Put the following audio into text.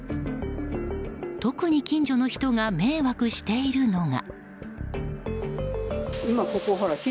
特に、近所の人が迷惑しているのが。